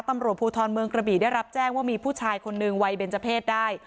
ตำรวจภูทรเมืองกระบี่ได้รับแจ้งว่ามีผู้ชายคนนึงวัยเบนเจอร์เพศได้